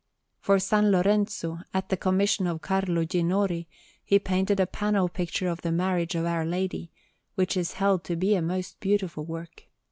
For S. Lorenzo, at the commission of Carlo Ginori, he painted a panel picture of the Marriage of Our Lady, which is held to be a most beautiful work.